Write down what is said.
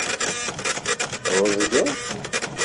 Tɛeẓged?